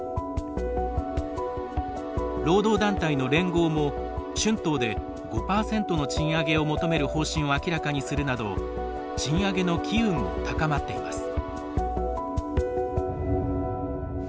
労働団体の連合も、春闘で５％の賃上げを求める方針を明らかにするなど賃上げの機運も高まっています。